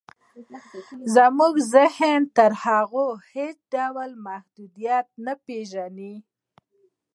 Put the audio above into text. زموږ ذهن تر هغو هېڅ ډول محدودیت نه پېژني